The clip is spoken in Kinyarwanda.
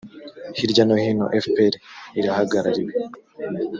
hirya no hino fpr irahagarariwe.